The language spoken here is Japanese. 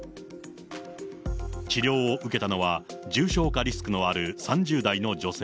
治療を受けたのは、重症化リスクのある３０代の女性。